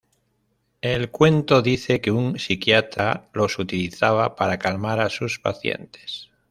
El cuento dice que un psiquiatra los utilizaba para calmar a sus pacientes.